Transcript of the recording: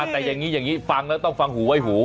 แต่อย่างนี้อย่างนี้ฟังแล้วต้องฟังหูไว้หู